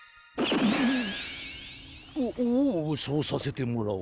おっおうそうさせてもらおう。